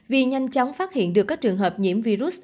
vì nhanh chóng phát hiện được các trường hợp nhiễm virus